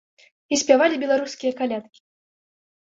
І спявалі беларускія калядкі!